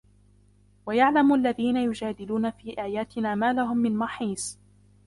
ويعلم الذين يجادلون في آياتنا ما لهم من محيص